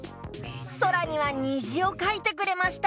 そらにはにじをかいてくれました。